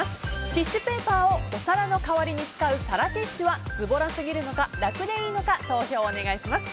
ティッシュペーパーをお皿の代わりに使う皿ティッシュはズボラすぎるのかラクでいいのか投票をお願いします。